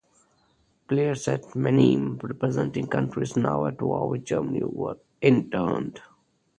Players at Mannheim representing countries now at war with Germany were interned.